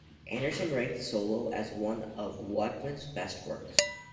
Anderson ranked the solo as one of Wakeman's best works.